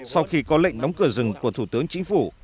sau khi có lệnh đóng cửa rừng của thủ tướng chính phủ